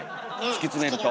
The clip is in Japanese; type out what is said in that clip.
突き詰めると。